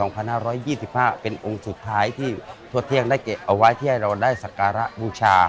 เป็นองค์สุดท้ายที่ทั่วเที่ยงได้เก็บเอาไว้ที่ให้เราได้สักการะบูชา